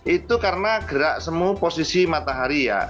itu karena gerak semua posisi matahari ya